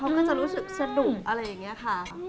เขาก็จะรู้สึกสนุกอะไรอย่างนี้ค่ะ